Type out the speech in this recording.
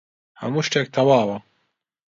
هەموو شتێک تەواوە.